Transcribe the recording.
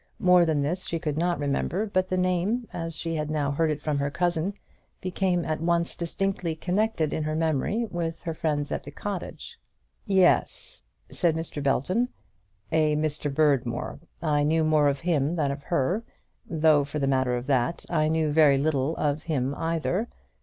More than this she could not remember; but the name, as she had now heard it from her cousin, became at once distinctly connected in her memory with her friends at the cottage. "Yes," said Belton; "a Mr. Berdmore. I knew more of him than of her, though for the matter of that, I knew very little of him either.